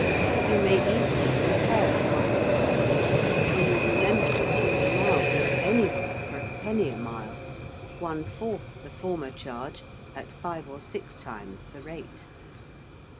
You may easily compare the cost of travelling when you remember that you may now go anywhere for a penny a mile one fourth the former charge at five or six times the rate.